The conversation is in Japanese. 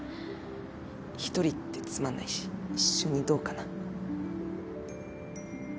一人ってつまんないし一緒にどうかな。